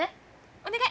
お願い。